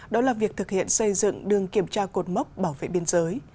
đó là việc thực hiện xây dựng đường kiểm tra cột mốc bảo vệ biên giới